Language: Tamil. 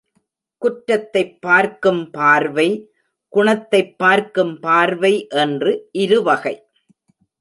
குற்றத்தைப் பார்க்கும் பார்வை, குணத்தைப் பார்க்கும் பார்வை என்று இருவகை.